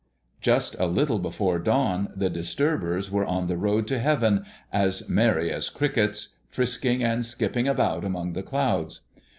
Just a little before dawn the disturbers were on the road to heaven, as merry as crickets, frisking and skipping about among the clouds.